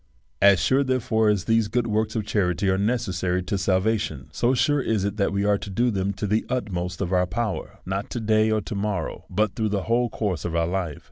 As sure, therefore, as these works of charity are necessary to salvation, so sure is it that we are to do them to the utmost of our power ; not to day or to morrow, but through the whole course of our life.